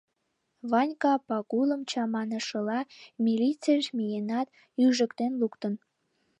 Ванька, Пагулым чаманышыла, милицийыш миенат, ӱжыктен луктын.